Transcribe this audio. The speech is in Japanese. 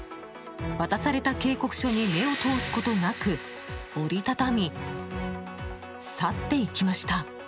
渡された警告書に目を通すことなく折り畳み去っていきました。